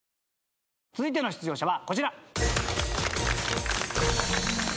続いての出場者はこちら。